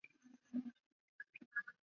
不顾大臣的进谏而优待贵族阶层。